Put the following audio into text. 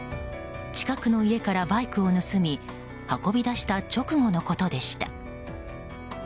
近くの家からバイクを盗み運び出した直後のことでした。